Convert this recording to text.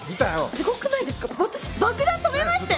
すごくないですか私爆弾止めましたよ。